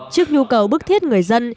trước nhu cầu bức thiết người dân